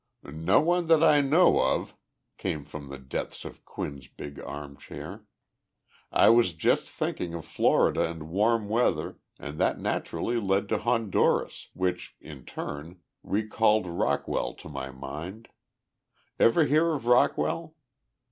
"No one that I know of," came from the depths of Quinn's big armchair. "I was just thinking of Florida and warm weather, and that naturally led to Honduras, which, in turn, recalled Rockwell to my mind. Ever hear of Rockwell?"